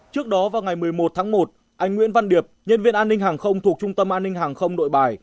trước đó vào ngày một mươi một tháng một anh nguyễn văn điệp nhân viên an ninh hàng không thuộc trung tâm an ninh hàng không nội bài